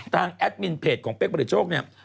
ทางแอดมินเพจของเป๊กผลิตโชคเนี่ย